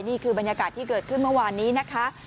นี่คือบรรยากาศที่เกิดขึ้นเมื่อวานนี้นะคะ